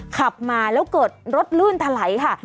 ขับมาแล้วเกิดรถลื่นถลัยค่ะ